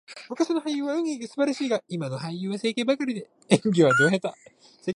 昔の俳優は演技が素晴らしいが、今の俳優は整形ばかりで、演技はド下手。